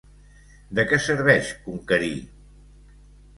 De què serveix conquerir?